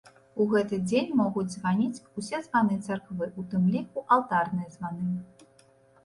У гэты дзень могуць званіць усе званы царквы, у тым ліку алтарныя званы.